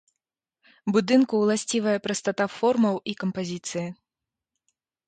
Будынку ўласцівая прастата формаў і кампазіцыі.